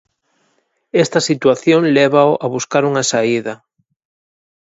Esta situación lévao a buscar unha saída.